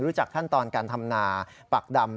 รู้จักขั้นตอนการทำนาปักดำ